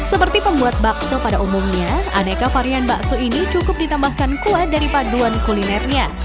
seperti pembuat bakso pada umumnya aneka varian bakso ini cukup ditambahkan kuah dari paduan kulinernya